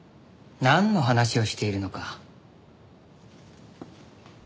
なんの話をしているのか。